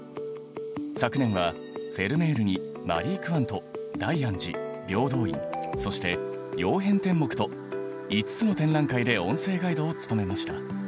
昨年はフェルメールにマリー・クワント大安寺平等院そして曜変天目と５つの展覧会で音声ガイドを務めました。